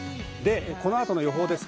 この後の予報です。